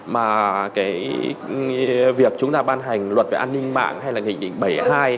mà cái việc chúng ta ban hành luật về an ninh mạng hay là nghị định bảy mươi hai